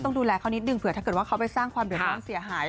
ดูแลเขานิดหนึ่งเผื่อถ้าเกิดว่าเขาไปสร้างความเดือดร้อนเสียหาย